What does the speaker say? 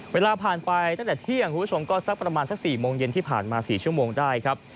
เวลาผ่านไปตั้งแต่เที่ยงคุณผู้ชมก็สักประมาณสัก๔โมงเย็นที่ผ่านมา๔ชั่วโมงได้ครับ